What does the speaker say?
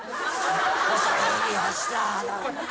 恐れ入りやした。